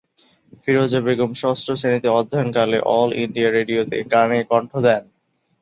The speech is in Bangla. ফিরোজা বেগম ষষ্ঠ শ্রেণিতে অধ্যয়নকালে অল ইন্ডিয়া রেডিওতে গানে কন্ঠ দেন।